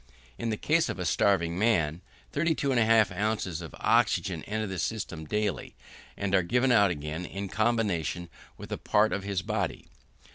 In the case of a starving man, 32 1/2 oz. of oxygen enter the system daily, and are given out again in combination with a part of his body.